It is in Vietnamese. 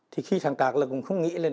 thì khi sáng tạo là cũng không nghĩ lên